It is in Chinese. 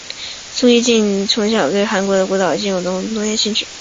苏一晋从小能歌善舞对韩国音乐及舞蹈有浓厚的兴趣。